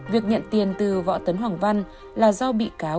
việc nhận tiền từ võ tấn hoàng văn là do bị cáo